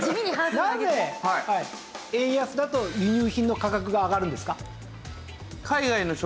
なぜ円安だと輸入品の価格が上がるんですか？